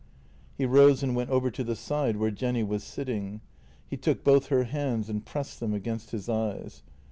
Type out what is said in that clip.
He rose and went over to the side where Jenny was sitting. He took both her hands and pressed them against his eyes.